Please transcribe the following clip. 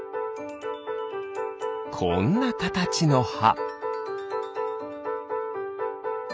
こんなかたちのは。